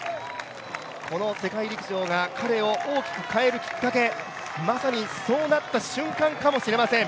この世界陸上が彼を大きく変えるきっかけ、まさにそうなった瞬間かもしれません。